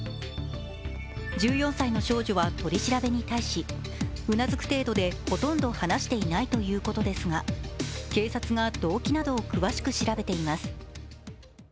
１４歳の少女は取り調べに対し、うなずく程度で、ほとんど話していないということですが警察が動機などを詳しく調べています。